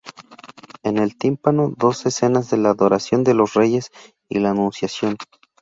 En el tímpano dos escenas de la Adoración de los Reyes y la Anunciación.